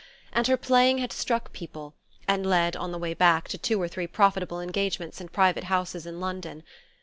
And her playing had struck people, and led, on the way back, to two or three profitable engagements in private houses in London.